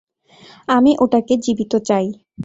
আমি ওটাকে জীবিত চাই।